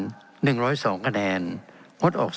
เป็นของสมาชิกสภาพภูมิแทนรัฐรนดร